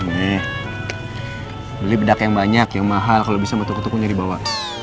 nih beli bedak yang banyak yang mahal kalo bisa mau tuk tuknya dibawa